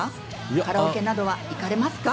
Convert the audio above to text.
カラオケなどは行かれますか？